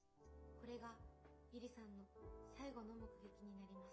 これが友梨さんの最後の目撃になります。